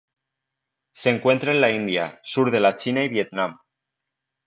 Se encuentra en la India, sur de la China, y Vietnam